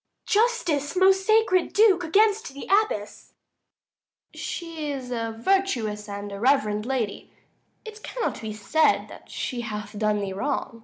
Adr. Justice, most sacred Duke, against the abbess! Duke. She is a virtuous and a reverend lady: It cannot be that she hath done thee wrong.